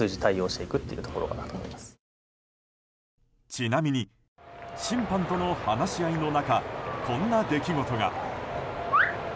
ちなみに審判との話し合いの中こんな出来事が。